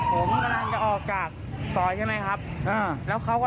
เหลือกฐานระดับนี้ที่ไม่ได้เหรอ